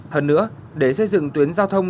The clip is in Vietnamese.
hơn nữa để xây dựng tuyến giao thông